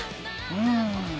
うん。